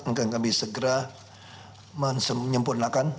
mungkin kami segera menyempurnakan